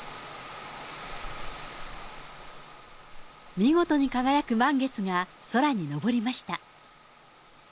見事に輝く満月が空に昇りました。